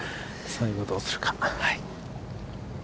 最後どうするか。